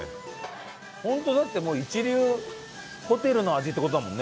ホントだってもう一流ホテルの味って事だもんね。